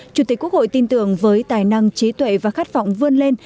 chủ tịch quốc hội tin tưởng với tài năng trí tuệ và khát vọng vươn lên